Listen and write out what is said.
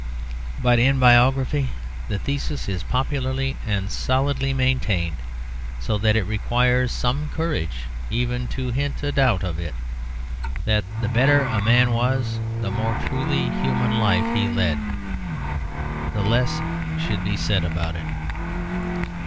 But in biography the thesis is popularly and solidly maintained, so that it requires some courage even to hint a doubt of it, that the better a man was, the more truly human life he led, the less should be said about it.